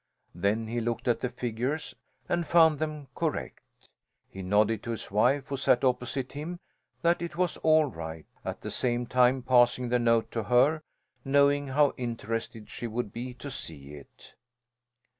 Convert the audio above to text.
Then he looked at the figures, and found them correct. He nodded to his wife, who sat opposite him, that it was all right, at the same time passing the note to her, knowing how interested she would be to see it.